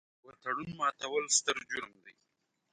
د یوه تړون ماتول ستر جرم دی.